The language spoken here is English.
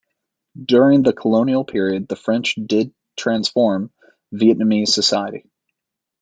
During the colonial period, the French did transform Vietnamese society.